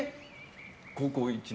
高校１年？